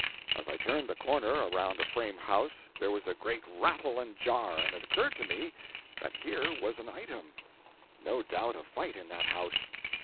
As I turned the corner, around a frame house, there was a great rattle and jar, and it occurred to me that here was an item!—no doubt a fight in that house.